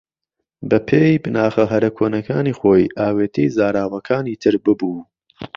بەپێی بناخە ھەرە كۆنەكانی خۆی ئاوێتەی زاراوەكانی تر ببوو